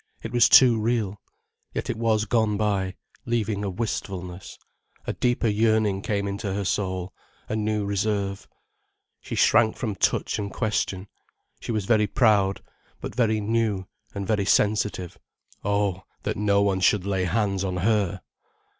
It was too real. Yet it was gone by, leaving a wistfulness. A deeper yearning came into her soul, a new reserve. She shrank from touch and question. She was very proud, but very new, and very sensitive. Oh, that no one should lay hands on her!